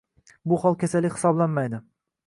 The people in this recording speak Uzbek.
Bu hol kasallik hisoblanmaydi.